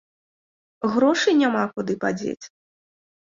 Грошы няма куды падзець?